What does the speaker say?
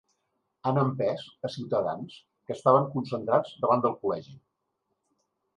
Han empès a ciutadans que estaven concentrats davant del col·legi.